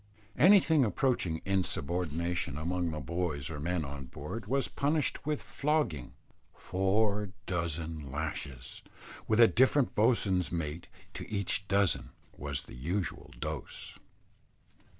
Anything approaching insubordination among the boys or men or board was punished with flogging four dozen lashes, with a different bo'swain's mate to each dozen, was the usual dose.